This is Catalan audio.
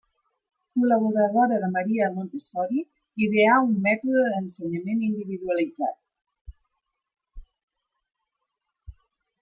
Col·laboradora de Maria Montessori, ideà un mètode d'ensenyament individualitzat.